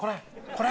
これ？